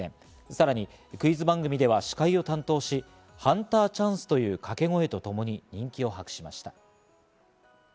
さらにクイズ番組では司会を担当し「ハンターチャンス」という掛け声とともに人気を博しました。